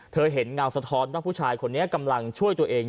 เธอเห็นเงาสะท้อนว่าผู้ชายคนนี้กำลังช่วยตัวเอง